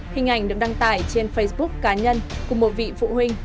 hình ảnh được đăng tải trên facebook cá nhân của một vị phụ huynh